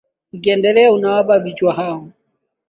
Ukiendelea unawapa kichwa hao